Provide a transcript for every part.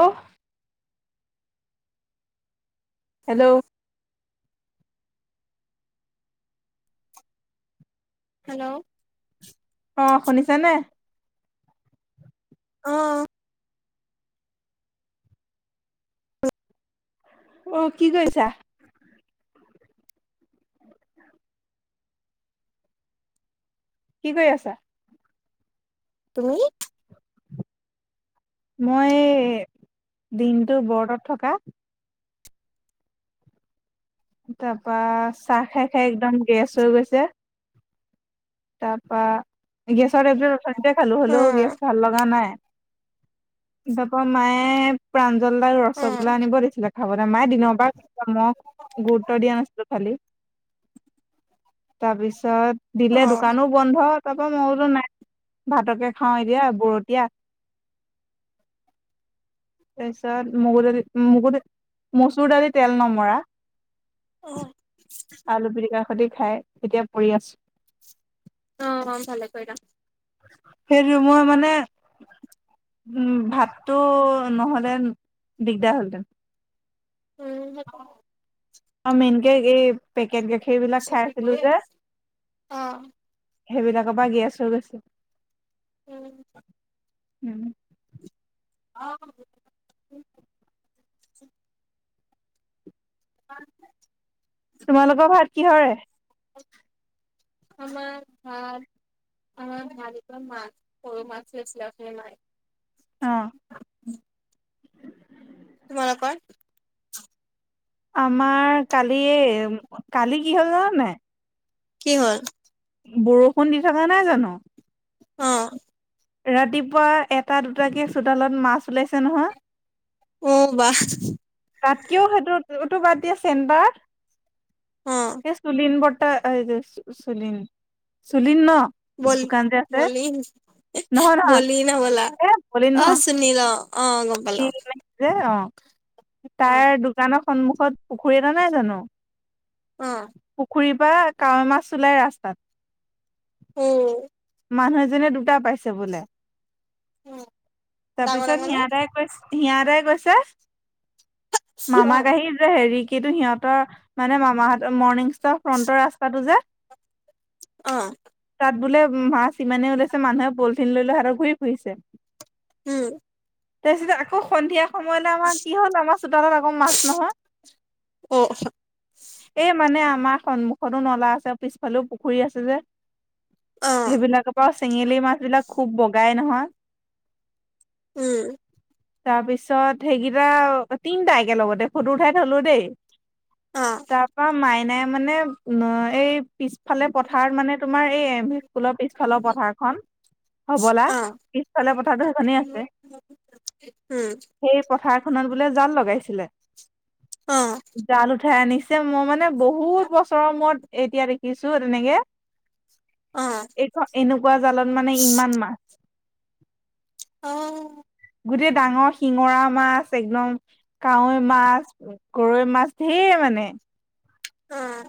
ওহ! ' Hello! Hello! অঁ শুনিছে নে? অ', অ', কি কৰিছা। কি কৰি আছা। তুমি', মই দিনটো বৰতত থকা তাৰপা চাহ খাই খাই একদম গেছ হৈ গৈছে। তাৰ পৰা গেছৰ এইবিল ৰচনতে খালো হ'লেও গেছ অ', ভাল লগা নাই তাপা মায়ে প্ৰাঞ্জল দাক অ'। ৰসগোল্লা আনিব দিছিলে ভাব না মায়ে দিনৰ পৰা মই গুৰুত্ব দিয়া নাছিলো খালি তাৰপিছত দিলে দোকানো অ', বন্ধ তাৰ পৰা মই বোলো নাই ভাতকে খাওঁ এতিয়া বৰতিয়া তাৰ পিছত মগু দালি মগু দাল মচুৰ দালি তেল নমৰা অ', আলু পিটিক খতি খাই তেতিয়া পৰি আছো। অ', অ', ভালে কৰিলা। সেইটো মই মানে ভাতটো নহ'লে দিগদাৰ হ'ল হঁতেন উম', অ', মেইনকে এই পেকেট গাখীৰ বিলাক খাই আছিলো যে অ'। সেইবিলাকৰ পৰা গেছ হৈ গৈছে। উম', উম', আহ', [unintelligible] তোমালোকৰ ভাত কিহৰে আমাৰ ভাত আমাৰ ভাত এ মাছ সৰু মাছ আছিলে মায় অ', তোমালাৰ কত আমাৰ কালি কালি কি হ'ল জানা নাই কি হ'ল বৰষুণ দি থকা নাই জানো অ', ৰাতিপুৱা এটা দুটাকে চোডালত মাছ ওলাইছে নহয়। অ', বা তাতকৈও সেইটো উটো বাদ দিয়া চেণ্বাৰ অ', এই চুলিন বৰ্তটা চুলিন চুলিন ন ব বল দোকান যে আছে নহয় নহয় বলিন বলা এ বলি অ', নহয় চুনিলা অ আ গম পালো শিল নাই যে অ তাৰ দোকানৰ সন্মুখত পুখুৰী এটা নাই জানো। অ', পুখুৰীৰ পৰা কাৱৈ মাছ লাই ৰাস্তাত অ', মানুহ এজনে দুটা পাইছে বোলে। ডাঙৰ তাৰপিছত ডাঙৰ নে? সিহঁতে সিহঁতে কৈছে মামাক অ', আহিছে হেৰি কি সিহঁতৰ মানে মামাহতৰ মৰ্ণিং চ ফ্ৰটৰ ৰাস্তাটো যে অ'হ। তাত বোলে মাছ ইমানেই ওলাইছে মানুহে পলিথিন লৈ লৈ হাত ঘূৰি ফুৰিছে। উম', তাৰ পিছতে আকৌ সন্ধিয়া। সময়লে আমাৰ কি হ'ল আমাৰ চোতালত আকৌ মাছ নহয়। অ', এই মানে আমাৰ সন্মুখতো নলা আছে পিছফালেও পুখুৰী আছে যে। অ'। সেইবিলাকৰ পৰা চেঙেলী মাছ বিলাক খুব বগাই নহয়। উম। তাৰপিছত সেইকেইটা তিনটা একে লগতে ফটো উঠাই থলো দেই। তাৰ পৰা মাইনাই মানে এই পিছ ফালে পথাৰত মানে তোমাৰ এই স্কুলৰ পিছফালৰ পথাৰখন হবলা পিছফালৰ পথাৰতো সেইখনেই আছে। উম', সেই পথাৰখনত বোলে জাল লগাইছিলে জাল উঠাই আনিছিল। যে মই মানে বহুত বছৰৰ মূৰত এতিয়া দেখিছো তেনেকে। এইখন এনেকুৱা জালত মানে ইমান মাছ। অ গোটেই ডাঙৰ শিঙৰা মাছ একদম কাৱৈ মাছ। গৰৈ মাছ ঢেৰ মানে। উম।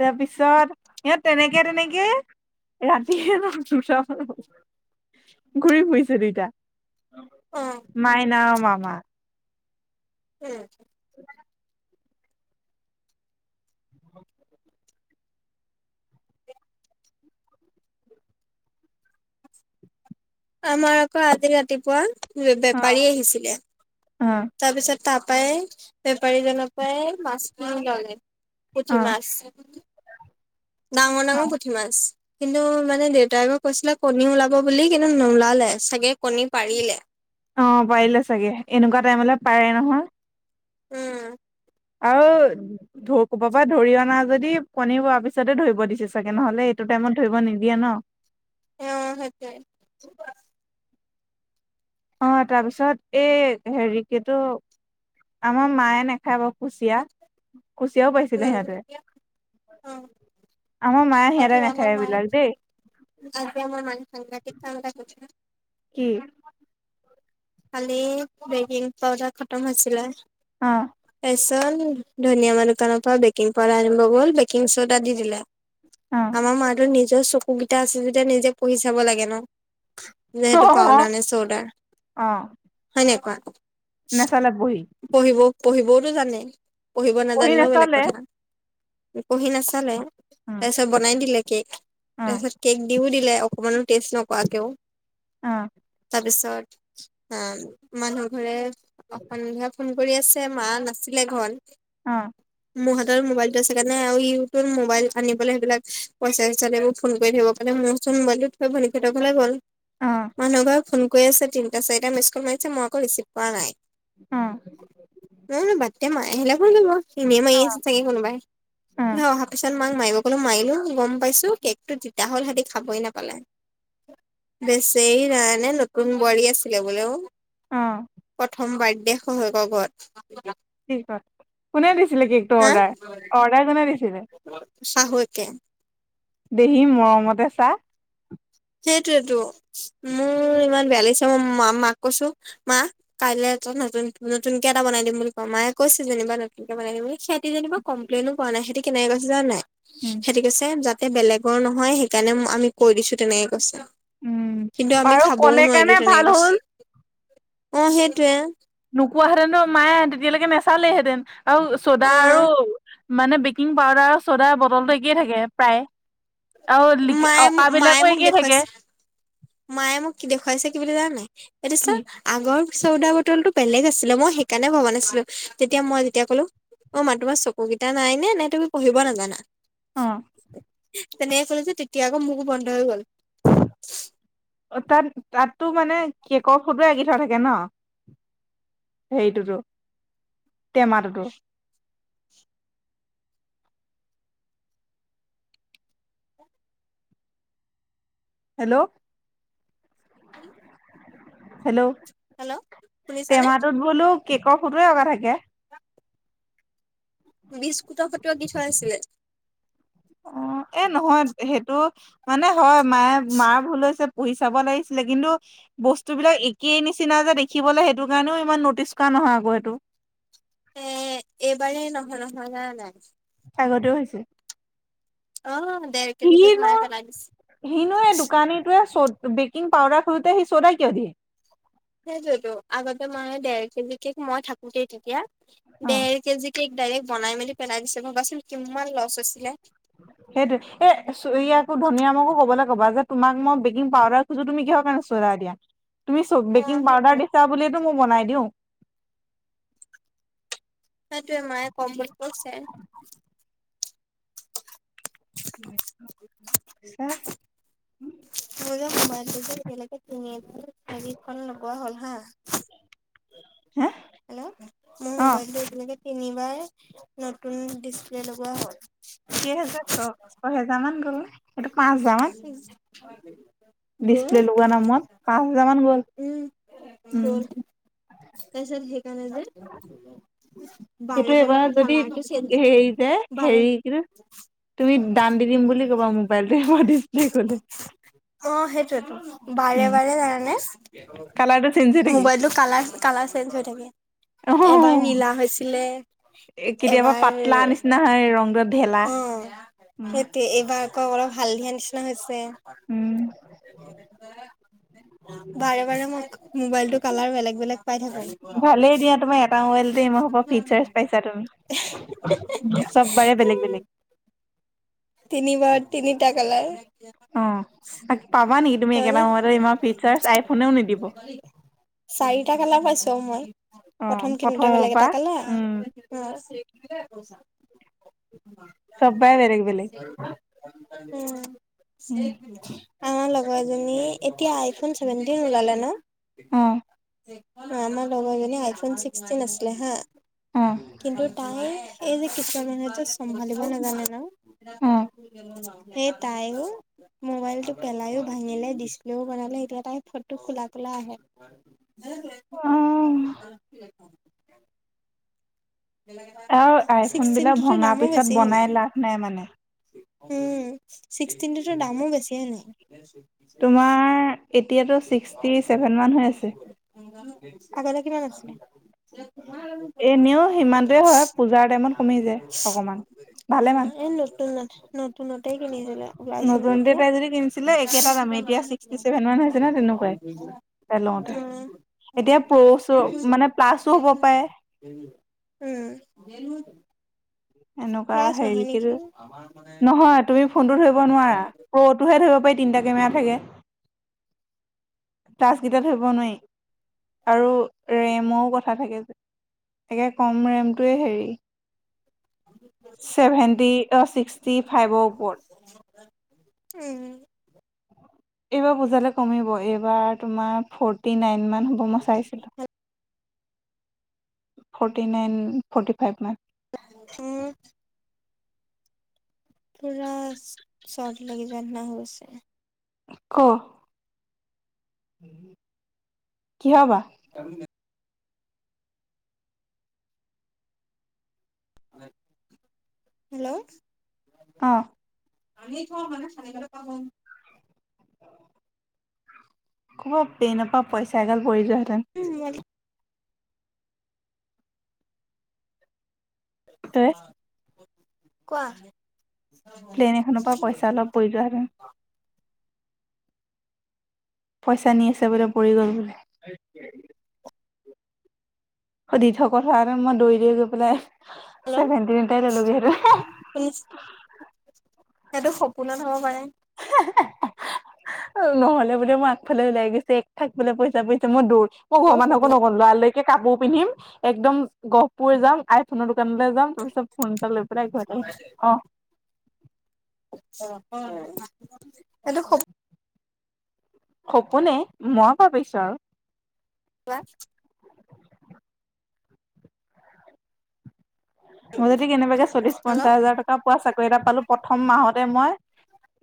তাৰপিছত ইয়াত তেনেকে তেনেকে। ৰাতিহে নহ দুটা‌ পা ঘূৰি ফুৰিছে দুইতো। মাইনা আও মামা। এ আমাৰ আকৌ আজি ৰাতিপুৱা বে বে অ বেপাৰী আহিছিলে। অ তাৰপিছত তাপাই বেপাৰীজনৰ পৰাই মাছ কিনি ললে। অ পুঠি মাছ ডাঙৰ অ ডাঙৰ পুঠি মাছ। কিন্তু মানে দেউতাই আকৌ কৈছিলে কণী ওলাব বুলি কিন্তু নোলালে, চাগে কণী পাৰিলে। অহ পাৰিলে চাগে এনেকুৱা টাইমলে পাৰে নহয়। উম। আৰু য'ত কবাপা ধৰি অনা যদি কণী পৰা পিছতে ধৰিব দিছে চাগে নহলে এইটো টাইমত ধৰিব নিদিয়ে ন। নহয়। অহ তাৰপিছত এই হেৰি কিটো আমাৰ মায়ে নাখাব বাও। কুচিয়া কুচিয়াও পাইছিলে সিহঁতে। উম অ আমা মায়ে সিহঁতে নেখাই এইবিলাক দেই। আিয় মই মান চংল চল ত। [unintelligible] কি? কালি বেকিং পাউদাৰ খতম হৈছিলে। অহ। তাৰ পিছত ধনিয়া মানুহ দোকানৰ পৰা বেকিং পাউাৰ আনিব গ'ল বেকিং চডা দি দিলা। অহ। আমাৰ মাতো নিজৰ চকু কেইটা আছে যেতিয়া নিজে পঢ়ি চাব লাগে ন? যে সেইটো পাউদাৰ নে চডা? অহ। হয় নে কোৱা? নেচালে পঢ়ি। পঢ়িবও-পঢ়িবওতো জানে, পঢ়িব পঢ়ি নাজানিলেও বেলেগ নাচালে। কথা। [inaudible] পঢ়ি নাচালে তাৰপিছত বনাই দিলে কেক তাৰপিছত কেক দিও দিলে। [inaudible] অকমানো টেষ্ট নকৰাকেও। [inaudible] অঁ! [inaudible] তাৰপিছত আ মানুহ ঘৰে [unintelligible] ফোন কৰি আছে মা নাছিলে ঘৰত। [inaudible] অঁ! [inaudible] মোৰ হাতত মোবাইলটো আছে কাৰনে হে আৰু ইউটিউবত মোবাইল আনি পেলাই সেইবিলাক পইচা-চইচা লৈ ফোন কৰি থাকিব। [unintelligible] [unintelligible] মানে মোৰ ওচৰত মোবাইলটো থৈ নিকিতৰ ঘৰলৈ গল। [inaudible] মানুহ ঘৰে ফোন কৰি আছে তিনিটা, চাৰিটা মেছ্কল মাৰিছে মই আকৌ ৰিচিভ কৰা নাই। [inaudible] অঁ! [inaudible] নহ [inaudible] বাতদে মায়ে আহিলে ফোন কৰিব। এনেই মাৰি আছে চাগে কোনোবাই। [inaudible] [inaudible] অহা পিছত মাক মাৰিব কলো মাৰিলো গম পাইছো কেকটো তিতা হল সিহঁতি খাবই নাপালে। বেচেৰি জানানে নতুন বোৱাৰী আছ [unintelligible] বলৈও প্ৰথম বাৰ্থডে শহুৱেকৰ ঘৰত। [inaudible] কি কত [inaudible] কোনে দিছিলে কেকটো হা অৰ্ডাৰ, অৰ্ডাৰ কোনে দিছিলে? শাহুৱেকে। [inaudible] দেহি মৰমতে চা। [inaudible] সেইটোৱেইটো মোৰ ইমান বেয়া লাগিছে মই মাক কৈছোঁ মা [unintelligible] কাইলে ত নতুন-নতুনকে এটা বনাই দিম বুলি কোৱা। মায়ে কৈছে যেনিবা নতুনকে বনাই দিম বুলি। সিহঁতি যেনিবা [inaudible] কমপ্লেইনো কৰা নাই সিহঁতি কেনে কৈছে জানা নাই? [inaudible] উম [inaudible] সিহঁতি কৈছে যাতে বেলেগৰ নহয় সেইকাৰণে আমি কৈ দিছো তেনেকে কৈছে। উম [inaudible] কিন্তু আমি আৰু খাবও ক'লে নোৱাৰিলো কাৰণে তেনেকে ভাল কৈছে। হ'ল। অঁ! সেইটোৱেই। [inaudible] নোকোৱাহেতেন ন মায়ে তেতিয়ালৈকে নাচালেহেঁতেন আৰু চদা অ আৰু [inaudible] মানে বেকিং পাউদাৰৰ চ'দাৰ বটলটো একেই থাকে প্ৰায়। [inaudible] আৰু লিখি মায়ে অঁকা মোক মায়ে বিলাকো মোক একেই থাকে। দেখুৱাইছে। [unintelligible] মায়ে মোক কি দেখুৱাইছে কি বুলি জানানে নাই? এইটো চোৱা। কি [unintelligible] আগৰ চৌদা বটলটো বেলেগ আছিলে মই সেইকাৰণে ভবা নাছিলো। তেতিয়া মই যেতিয়া কলো [inaudible] অ মা তোমাৰ চকুকেইটা নাই নে নে তুমি পঢ়িব নাজানা? [unintelligible] অঁ! [inaudible] তেনেকে কলো যে তেতিয়া আকৌ মুখ বন্ধ হৈ গ'ল। [inaudible] অ তাত-তাততো মানে কেকৰ ফটোৱে আকি থোৱা থাকে ন? [unintelligible] হেৰিটোতো, টেমাটোতো। [inaudible] [inaudible] হেল্ল'! [inaudible] [inaudible] হেল্ল'! হেল্ল' শুনিছানে টেমাটোত বো [unintelligible] বোলো কেকৰ ফটোৱে অঁকা থাকে? [unintelligible] [inaudible] বিস্কুটৰ ফটো আকি থোৱা আছিলে। [inaudible] অঁ! এ নহয় সেইটো মানে হয় মায়ে মাৰ ভুল হৈছে। [unintelligible] পঢ়ি চাব লাগিছিলে কিন্তু [inaudible] বস্তুবিলাক একেই নিচিনা যে দেখিবলৈ সেইটোৰ কাৰণেও ইমান নটিচ কৰা নহয় আকৌ সেইটো। [inaudible] এ এইবাৰে নহয়-নহয় জানা নাই? [inaudible] আগতেও হৈছে। [inaudible] অ ডেৰ কেজি কেক সিনো, মায়ে পেলাই দিছে সিনোয়ে এই দোকানীটোয়ে চত বেকিং পাউডাৰ খোজোতে সি চৌদা কিয় দিয়ে। সেইটোৱেতো আগতে দেৰ কেজি কেক মই থাকোতেই তেতিয়া অ দেৰ কেজি কেক ডাইৰেক্ট বনাই মেলি পেলাই দিছে, মবাচোন কিমান লছ হৈছিলে। সেইটোৱে এ ছৰীয়াটো ধনীৰাকো কবলৈ ক'বা যে তোমাক মই বেকিং পাউদাৰ টো তুমি কিহৰ কাৰণে চদা দিয়া, তুমি চ অ বেকিং সেইটোৱে পাউদাৰ দিছা বুলিয়েতো মই বনাই দিওঁ। সেইটোৱে মায়ে কম বুলি কৈছে। [unintelligible] মোৰ যে মোবাইলটো যে বেলগকে কিনি অ যি খন লগোৱা হ'ল হা। হা হেল্ল মোৰ মোবাইলটো এতিয়ালেকে তিনিবাৰ নতুন ডিচপ্লে লগোৱা হ'ল। কেইহেজাৰ ছ ছয়হেজাৰ মান গ'ল নে সেইটো পাঁচ হোজাৰ মান। [inaudible] [inaudible] গ'ল ডিচপ্লে লগোৱা নামত পাঁচ হোজাৰ মান গ'ল, উম উম। গ'ল তাৰপিছত সেইকাৰনে যে বাৰে সেইটো বাৰে এইবাৰত যদি কালাৰটো চেঞ্জ হেৰি যে বাৰে হেৰি কিতো তুমি দান দি দিম বুলি ক'বা মোবাইলটো এইবাৰ ডিচপ্লে গলে। অঁ সেইটোৱেটো বাৰে উম বাৰে জানানে কালাৰটো চেঞ্জ হৈ থাকে মোবাইলতটো কালাৰ কালাৰ চেঞ্জ হৈ থাকে, অ এবাৰ নীলা হৈছিলে। এ কেতিয়াবা এবাৰ, পাতলা নিচিনা হয় ৰংটো ঢেলা অঁ উম সেই তে এইবাৰ আকৌ অলপ হালধিয়া নিচিনা হৈছে। উম বাৰে বাৰে মোক মোবাইলটো কালাৰ বেলেগ বেলেগ পাই থাকো। ভালেই দিয়া তোমাৰ এটা মোবাইলতে ইমান সোপা ফিচাৰ্চ পাইছা তুমি, চব বাৰে বেলেগ বেলেগ। তিনিবাৰত তিনিটা কালাৰ। অঁ পাবা নেকি তুমি একেটা তাৰমানে সময়ত ইমান ফিচাৰ্চ আইফোনেও নিদিব। চাৰিটা কালাৰ পাইছোঁ আৰু মই, অ প্ৰথম কিনোতে প্ৰথমৰ বেলেগ এটা পৰা কালাৰ। উম অঁ চবাই বেলেগ বেলেগ উম আমাৰ লগৰএজনী এতিয়া আইফোন চেভেনটিন ওলালে ন। অ আমাৰ লগৰজনী আইফোন চিক্টিন আছিলে হা, অ কিন্তু তাই এই যে কিছুমান মানু্হে যে চম্ভালিব নাজানে ন। অ সেই তাইও। মোবাইলটো পেলাইও ভাঙিলে ডিছপ্লেও বনালে এতিয়া তাই ফটো কোলা কোলা আহে। অ [unintelligible] আৰু আইফোন বিলাক ছিক্সটিনটোতো ভঙা দামো পিছত বেছি হয় নাই বনাই লাভ নাই মানে। উম, ছিক্সটিনটোতো দামো বেছি হয় নাই। [inaudible] তোমাৰ এতিয়াতো ছিক্সটি চেভেন মান হৈ আছে। আগতে কিমান আছিলে? এনেও সিমানটোৱে হয় পূজাৰ টাইমত কমি যায় অকমান ভালে মান। নতুন ন নতুনতেই কিনিছিলে ওলাইছিলে নতুনতে যেতিয়া। তাই যদি কিনিছিলে একেটা দামে এতিয়া ছিক্সটি ছেভেন মান হৈছে নহয় তেনেকুৱাই। তাই লওঁতে উম এতিয়া প্ৰচো মানে প্লাছো হ'ব পাৰে উম উম উলিয়া লোঙে চোন এনেকোৱা হেৰি কে যে নহয় তুমি ফোনটো ধৰিব নোৱাৰা প্ৰ'টোহে ধৰিব পাৰি তিনিটা কেমেৰা থাকে প্লাছ কেইটা ধৰিব নোৱাৰি আৰু ৰেমৰো কথা থাকে যে একে কম ৰেমটোৱে হেৰি ছেভেণ্টি অ ছিক্সটি ফাইভৰ ওপৰত উম এইবাৰ পুজালে কমিব এইবাৰ তোমাৰ ফৰ্টি নাইন মান হ'ব মই চাইছিলো ফৰ্টি নাইন ফটি ফাইভ মান উম পুৰা চৰ্দি লাগি যোৱা নিচিনা হৈছে ক কিহ বা আমি হেল্ল অ আমি থোৱা মানে পাম আও ক'বা প্লেদমা পইচা এগাল পৰি যোৱা হেতেন উম এ কোৱা প্লেন এখনৰ পৰা পইচা অলপ পৰি যোৱা হেতেন পইছা আনি আছে বোলে পৰি গ'ল বোলে দিঠকত হোৱা হেতেন মই দৌৰি দৌৰি গৈ পেলাই হেল্ল' ছেভেণ্টিন এটাই ধৰি লোগে হেতেন শুনিছ সেইটো সপোনত হব পাৰে এই এ এ নহলে বোলে মই আগফালে ওলাই গৈছো এক থাক বোল পইচা পাইছো মই দৌৰ মই ঘৰৰ মোৰ মানুহকো সপোনত নক'লো লৰালৰিকে কাপোৰ পিন্ধিম একদম গহপুৰ যাম আইফোনৰ দোকানলৈ যাম তাৰপিছত ফোন এটা লৈ পেলাই ঘৰত আহিম অ নহয় এইটো স সপোনে মই ভাবিছো আৰু ইয়াত মই যদি কেনেবাকে চল্লিশ হেল্ল' পঞ্চাশ হাজাৰ টকা পোৱা চাকৰি এটা পালো প্ৰথম মাহতে মই